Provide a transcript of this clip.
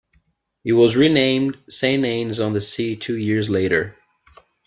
It was renamed Saint Annes-on-the-Sea two years later.